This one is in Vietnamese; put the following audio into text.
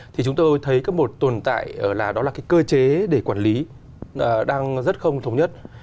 thì chúng tôi thấy có một tồn tại là đó là cái cơ chế để quản lý đang rất không thống nhất